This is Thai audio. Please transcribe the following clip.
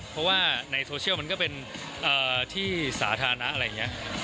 เพราะว่าในโซเชียลมันก็เป็นที่สาธารณะอะไรอย่างนี้